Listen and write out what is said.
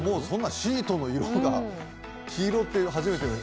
そんな、シートの色が黄色って初めて。